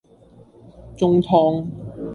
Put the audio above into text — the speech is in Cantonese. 中湯